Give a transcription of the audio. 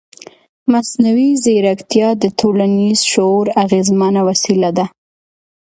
مصنوعي ځیرکتیا د ټولنیز شعور اغېزمنه وسیله ده.